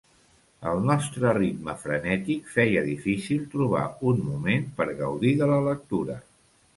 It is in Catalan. El nostre ritme frenètic feia difícil trobar un moment per gaudir de la lectura.